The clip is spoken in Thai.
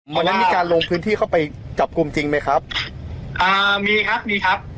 วันนั้นมีการลงพื้นที่เข้าไปจับกลุ่มจริงไหมครับอ่ามีครับมีครับ